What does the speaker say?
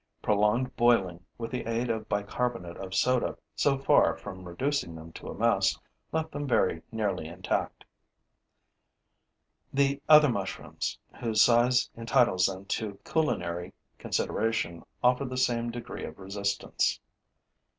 Prolonged boiling, with the aid of bicarbonate of soda, so far from reducing them to a mess, left them very nearly intact. The other mushrooms whose size entitles them to culinary consideration offer the same degree of resistance.